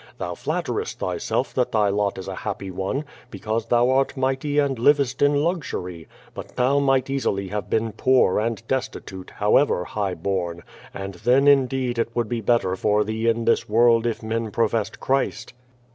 Thou flatterest thyself that thy lot is a happy one, because thou art mighty and livest in luxury, but thou might easily have been poor and destitute, however high born, and then indeed it would be better for thee in this world if men professed Christ.